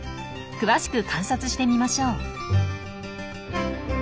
詳しく観察してみましょう。